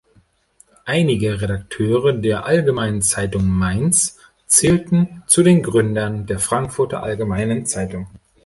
Einige Redakteure der "Allgemeinen Zeitung Mainz" zählten zu den Gründern der "Frankfurter Allgemeinen Zeitung".